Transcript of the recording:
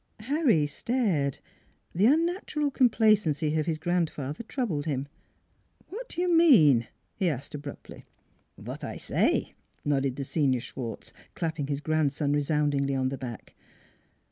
Harry stared. The unnatural complacency of his grandfather troubled him. " What do you mean? " he asked abruptly. ' Vot I say," nodded the senior Schwartz, clapping his grandson resoundingly on the back.